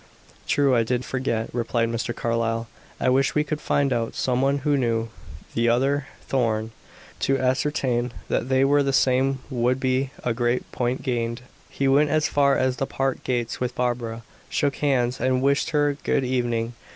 "True; I did forget," replied Mr. Carlyle. "I wish we could find out some one who knew the other Thorn; to ascertain that they were the same would be a great point gained." He went as far as the park gates with Barbara, shook hands and wished her good evening.